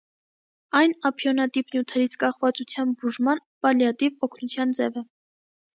Այն ափիոնատիպ նյութերից կախվածության բուժման պալիատիվ օգնության ձև է։